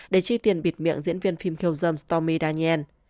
để chi tiền bịt miệng diễn viên phim khiêu dâm stormy daniel